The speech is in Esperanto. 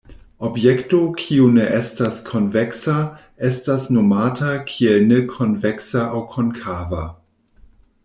Objekto kiu ne estas konveksa estas nomata kiel ne konveksa aŭ konkava.